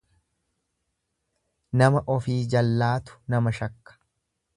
Nama ofii jallaatu nama shakka.